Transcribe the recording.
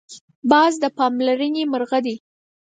باز د پاملرنې مرغه دی